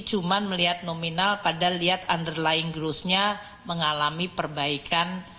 cuma melihat nominal pada lihat underlying grossnya mengalami perbaikan